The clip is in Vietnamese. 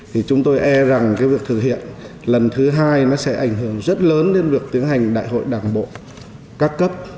thì chúng tôi e rằng cái việc thực hiện lần thứ hai nó sẽ ảnh hưởng rất lớn đến việc tiến hành đại hội đảng bộ các cấp